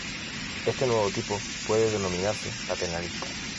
Este nuevo tipo puede denominarse paternalista.